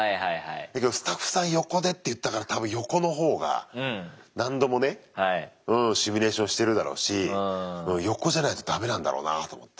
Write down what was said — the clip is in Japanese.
だけどスタッフさん横でって言ったから多分横のほうが何度もねシミュレーションしてるだろうし横じゃないとダメなんだろうなと思って。